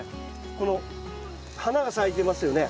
この花が咲いてますよね。